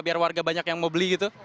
biar warga banyak yang mau beli gitu